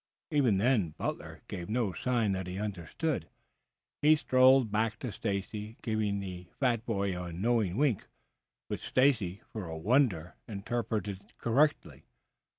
Even then Butler gave no sign that he understood. He strolled back to Stacy, giving the fat boy a knowing wink, which Stacy, for a wonder, interpreted correctly.